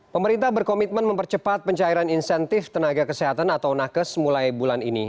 pemerintah berkomitmen mempercepat pencairan insentif tenaga kesehatan atau nakes mulai bulan ini